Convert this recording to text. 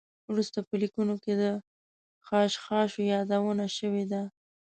وروسته په لیکنو کې د خشخاشو یادونه شوې ده.